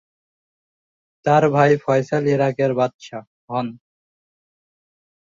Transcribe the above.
তার ভাই ফয়সাল ইরাকের বাদশাহ হন।